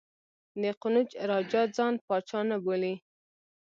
د قنوج راجا ځان پاچا نه بولي.